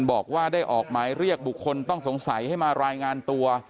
บอกว่าได้ออกหมายเรียกบุคคลต้องสงสัยให้มารายงานตัว